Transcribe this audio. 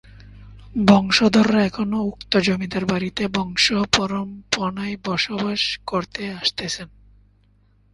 বংশধররা এখনো উক্ত জমিদার বাড়িতে বংশ পরামপণায় বসবাস করে আসতেছেন।